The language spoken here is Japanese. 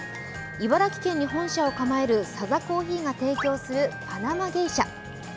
茨城県に本社を構えるサザコーヒーが提供するパナマゲイシャ。